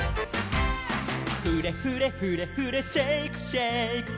「フレフレフレフレシェイクシェイク」